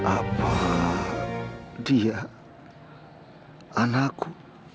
apa dia anakku